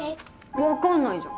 分かんないじゃん。